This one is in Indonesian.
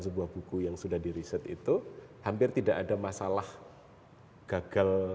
sebuah buku yang sudah di riset itu hampir tidak ada masalah gagal